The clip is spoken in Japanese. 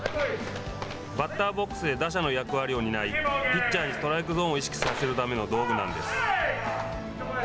バッターボックスで打者の役割を担いピッチャーにストライクゾーンを意識させるための道具なんです。